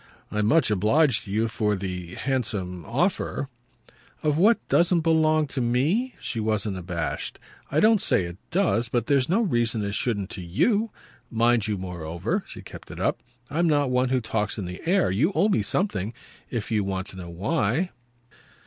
"I'm much obliged to you for the handsome offer " "Of what doesn't belong to me?" She wasn't abashed. "I don't say it does but there's no reason it shouldn't to YOU. Mind you moreover" she kept it up "I'm not one who talks in the air. And you owe me something if you want to know why."